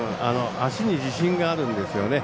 足に自信があるんですよね。